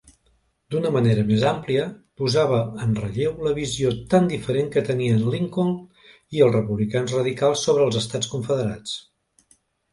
D'una manera més àmplia, posava en relleu la visió tan diferent que tenien Lincoln i els republicans radicals sobre els Estats Confederats.